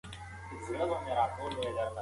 ښځې په خپلو سترګو کې د ژوند ستړیاوې لرلې.